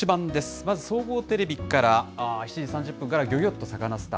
まず総合テレビから、７時３０分からギョギョッとサカナ★スター。